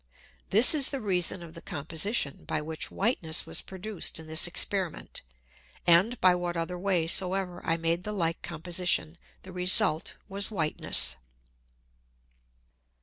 This is the reason of the Composition by which Whiteness was produced in this Experiment, and by what other way soever I made the like Composition, the Result was Whiteness.